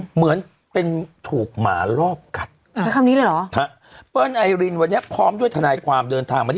เหมือนเป็นถูกหมารอบกัด